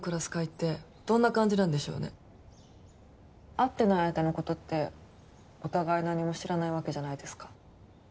会ってない間の事ってお互い何も知らないわけじゃないですか。